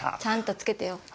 ちゃんと着けてよ。